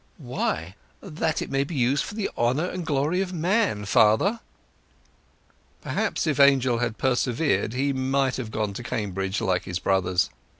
"Why, that it may be used for the honour and glory of man, father." Perhaps if Angel had persevered he might have gone to Cambridge like his brothers.